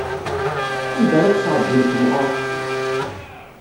Anda ara tesɛeddim temɣeṛ?